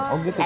oh gitu ya